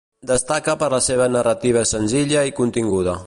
Destaca per la seva narrativa senzilla i continguda.